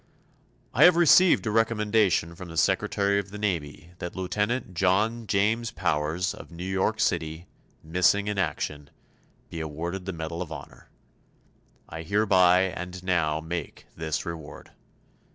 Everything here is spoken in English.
I have received a recommendation from the Secretary of the Navy that Lieutenant John James Powers of New York City, missing in action, be awarded the Medal of Honor. I hereby and now make this award.